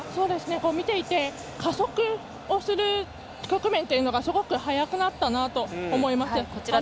見ていて加速をする局面というのがすごく速くなったなと思います。